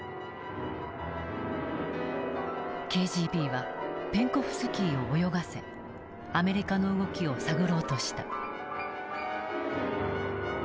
ＫＧＢはペンコフスキーを泳がせアメリカの動きを探ろうとした。